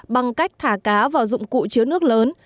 bằng cách thả cá vào dụng cụ chứa nước lớn